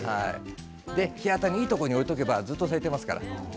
日当たりのいいところに置いておくとずっと咲いていますから。